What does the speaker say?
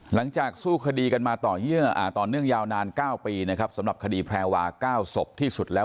หลังจากสู้คดีกันมาต่อเยื่อต่อเงื่อนเรื่องยาวนาน๙ปีสำหรับคดีแพรวา๙ศพที่สุดแล้ว